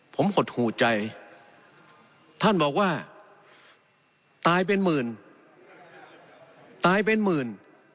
ผมหดหูใจท่านบอกว่าตายเป็นหมื่นตายเป็นหมื่น